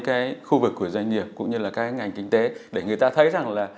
cái khu vực của doanh nghiệp cũng như là cái ngành kinh tế để người ta thấy rằng là